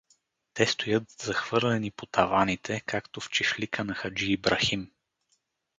Те стоят захвърлени по таваните, както в чифлика на хаджи Ибрахим.